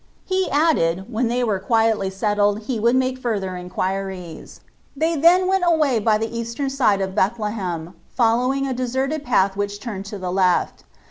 He added, when they were quietly settled he would make further in quiries. They then went away by the eastern side of Bethlehem, following a deserted path which turned to the left.